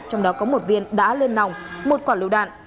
trong đó có một viên đá lên nòng một quả lưu đạn